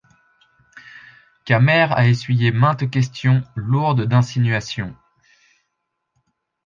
Kamerhe a essuyé maintes questions lourdes d'insinuations.